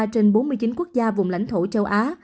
trên bốn mươi chín quốc gia vùng lãnh thổ châu á